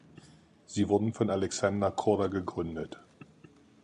Sie wurden von Alexander Korda gegründet.